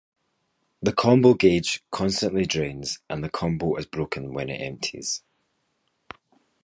The combo gauge constantly drains, and the combo is broken when it empties.